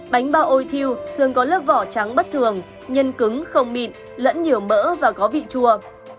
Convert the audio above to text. bánh bao ôi thiêu thường có lớp vỏ trắng bất thường nhân cứng không mịn lẫn nhiều mỡ và có vị chua